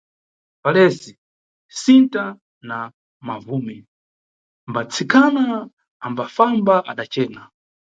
Falesi, Sinta na Nawume mbatsikana ambafamba adacena.